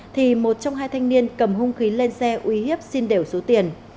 thì một trong hai thanh niên cầm hung khí lên xe uy hiếp xin đều số tiền